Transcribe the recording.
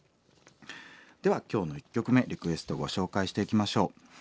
では今日の１曲目リクエストご紹介していきましょう。